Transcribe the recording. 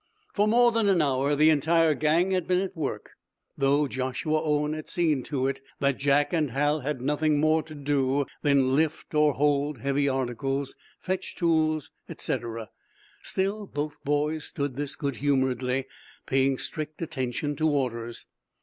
For more than an hour the entire gang had been at work, though Joshua Owen had seen to it that Jack and Hal had nothing more to do than lift or hold heavy articles, fetch tools, etc. Still both boys stood this good humoredly, paying strict attention to orders.